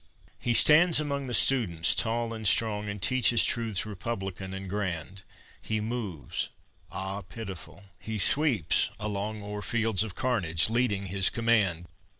He stands among the students, tall and strong, And teaches truths republican and grand; He moves ah, pitiful he sweeps along O'er fields of carnage leading his command!